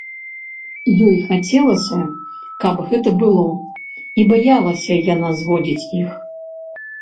Ёй хацелася, каб гэта было, і баялася яна зводзіць іх.